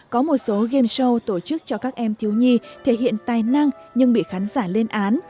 có một số game show tổ chức cho các em thiếu nhi thể hiện tài năng nhưng bị khán giả lên án